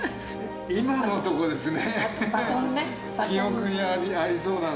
今のところですね。